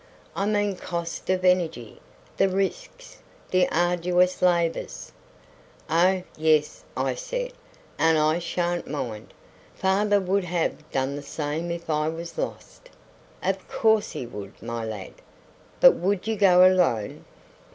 "I mean cost of energy: the risks, the arduous labours?" "Oh, yes," I said; "and I sha'n't mind. Father would have done the same if I was lost." "Of course he would, my lad; but would you go alone?"